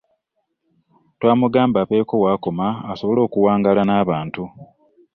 Twamugamba abeeko w'akoma asobole okuwangaala n'abantu.